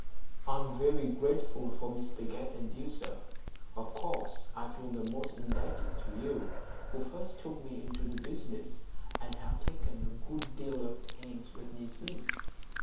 "I'm very grateful to Mr Guest and you, sir; of course I feel the most indebted to you, who first took me into the business, and have taken a good deal of pains with me since."